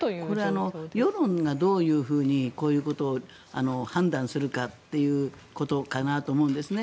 これ、世論がどういうふうにこういうことを判断するかということかなと思うんですね。